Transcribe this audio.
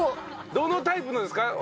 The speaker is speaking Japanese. どのタイプのですか？